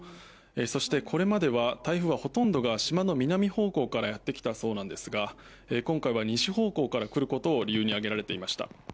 そして、これまでは台風はほとんどが島の南方向からやってきたそうですが今回は西方向から来ることを理由に挙げられていました。